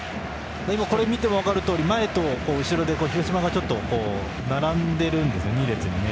今のを見ても分かるように前と後ろで広島が並んでいるんですね。